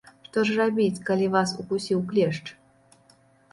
Што ж рабіць, калі вас укусіў клешч?